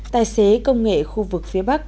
tài xế công nghệ khu vực phía bắc